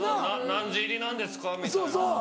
「何時入りなんですか？」みたいなのとか。